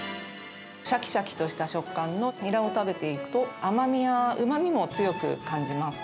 しゃきしゃきとした食感のニラを食べていくと、甘みやうまみも強く感じます。